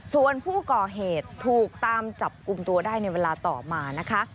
ส่วนผู้ก่อเหตุถูกตามจับกลุ่มตัวได้ในเวลาต่อมานะคะ